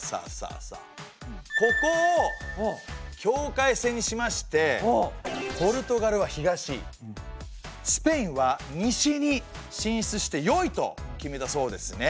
ここを境界線にしましてポルトガルは東スペインは西に進出してよいと決めたそうですね。